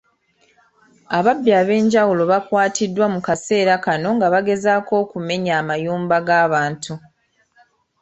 Ababbi eb'enjawulo bakwatiddwa mu kaseera kano nga bagezaako okumenya amayumba g'abantu.